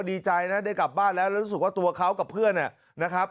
ดีใจนะได้กลับบ้านแล้วแล้วรู้สึกว่าตัวเขากับเพื่อนนะครับ